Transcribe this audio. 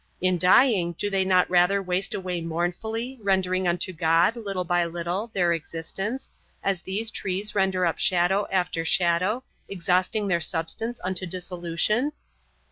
In dying, do they not rather waste away mournfully, rendering unto God, little by little, their existence, as these trees render up shadow after shadow, exhausting their substance unto dissolution?